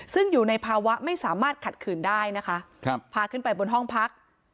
ซึ่งอยู่ในภาวะไม่สามารถขัดขืนได้นะคะพาขึ้นไปบนห้องพัก